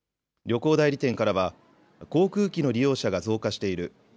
旅行代理店からは航空機の利用者が増加している。